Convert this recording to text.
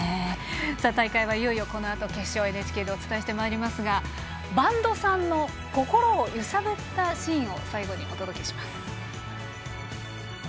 大会はいよいよ決勝をこのあとＮＨＫでお伝えしていきますが播戸さんの心を揺さぶったシーン最後にお届けします。